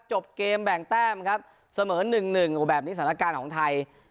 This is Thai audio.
จบเกมแบ่งแต้มครับเสมอ๑๑โอ้แบบนี้สถานการณ์ของไทย